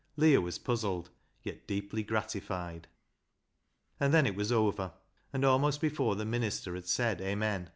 Leah was puzzled, yet deeply gratified. And then it was over, and almost before the minister had said " Amen